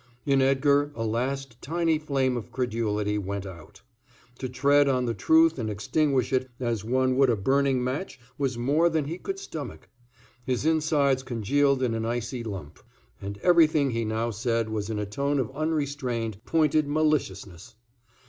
In Edgar, a last tiny flame of credulity went out. To tread on the truth and extinguish it as one would a burning match was more than he could stomach. His insides congealed in an icy lump, and everything he now said was in a tone of unrestrained, pointed maliciousness.